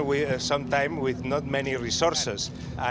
walaupun kadang kadang dengan tidak banyak sumber